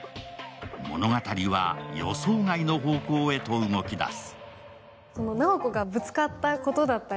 物語は予想外の方向へと動き出す。